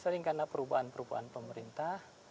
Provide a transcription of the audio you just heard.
sering karena perubahan perubahan pemerintah